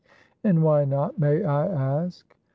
"And why not, may I ask?"